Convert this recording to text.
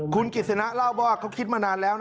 คุณกิษณะเล่าบอกว่าเขาคิดมานานแล้ว